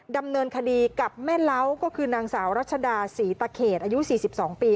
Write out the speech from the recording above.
ดำเนินคดีกับแม่เล้าก็คือนางสาวรัชดาศรีตะเขตอายุ๔๒ปี